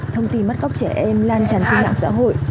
thông tin bắt cóc trẻ em lan tràn trên mạng xã hội